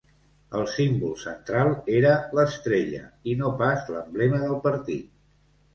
El símbol central era l'estrella i no pas l'emblema del partit.